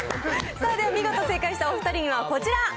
さあでは、見事正解したお２人にはこちら。